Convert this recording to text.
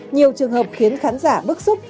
nhiều trường hợp khiến khán giả bức xúc